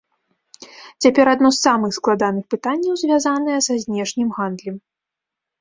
Цяпер адно з самых складаных пытанняў звязанае са знешнім гандлем.